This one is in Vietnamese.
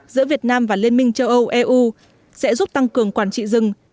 giữa việt nam và liên minh châu âu eu sẽ giúp tăng cường quản trị rừng